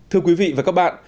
thưa quý vị và các bạn